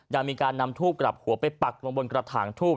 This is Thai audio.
ยังมีการนำทูบกลับหัวไปปักลงบนกระถางทูบ